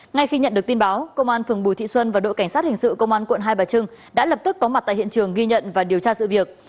ngay khi nhận được tin báo công an phường bùi thị xuân và đội cảnh sát hình sự công an quận hai bà trưng đã lập tức có mặt tại hiện trường ghi nhận và điều tra sự việc